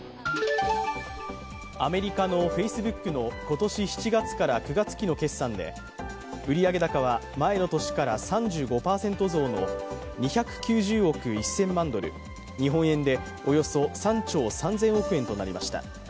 アメリカのフェイスブックの今年７月から９月期の決算で売上高は前の年から３５％増の２９０億１０００万ドル、日本円でおよそ３兆３０００億円となりました。